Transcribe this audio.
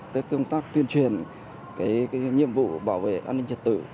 các công tác tuyên truyền nhiệm vụ bảo vệ an ninh trật tử